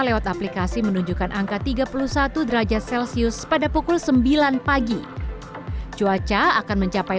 lewat aplikasi menunjukkan angka tiga puluh satu derajat celcius pada pukul sembilan pagi cuaca akan mencapai